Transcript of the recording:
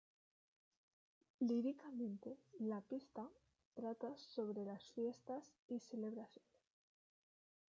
Líricamente, la pista trata sobre las fiestas y celebraciones.